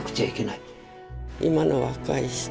今の若い人